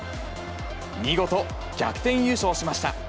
見事、逆転優勝しました。